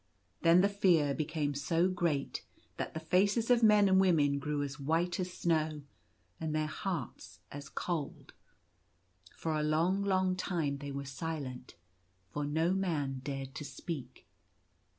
Then the fear became so great that the faces of men and women grew as white as snow, and their hearts as cold. For a long, long time they were silent, for no man dared to speak.